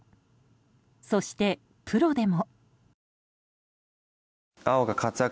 そして、プロでも。